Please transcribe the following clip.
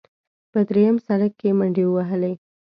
په درېیم سړک کې منډې ووهلې.